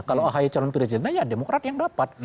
kalau ahy calon presidennya ya demokrat yang dapat